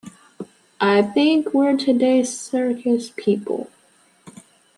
I think we're today's circus people.